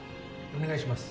お願いします。